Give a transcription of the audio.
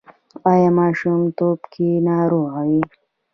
ایا ماشومتوب کې ناروغه وئ؟